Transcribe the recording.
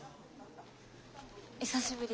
久しぶり。